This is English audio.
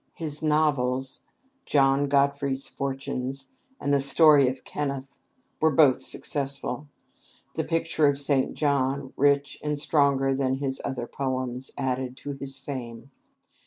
His novels "John Godfrey's Fortunes" and the "Story of Kennett" were both successful. The "Picture of St. John," rich and stronger than his other poems, added to his fame.